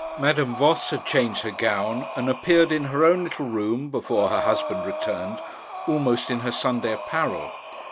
Madame Voss had changed her gown, and appeared in her own little room before her husband returned almost in her Sunday apparel.